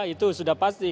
itu sudah pasti